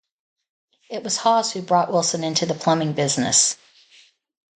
It was Hawes who brought Wilson into the plumbing business.